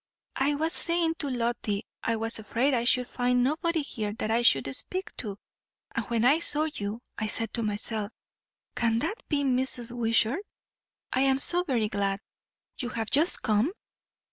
I was saying to Lottie I was afraid I should find nobody here that I could speak to; and when I saw you, I said to myself, Can that be Mrs. Wishart? I am so very glad. You have just come?"